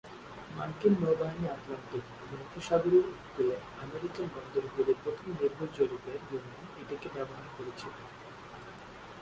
মার্কিন নৌবাহিনী আটলান্টিক এবং উপসাগরীয় উপকূলে আমেরিকান বন্দরগুলির প্রথম নির্ভুল জরিপের জন্য এটিকে ব্যবহার করেছিল।